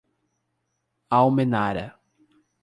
Almenara